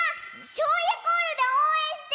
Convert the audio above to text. しょうゆコールでおうえんして！